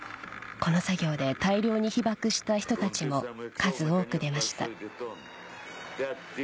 この作業で大量に被ばくした人たちも数多く出ました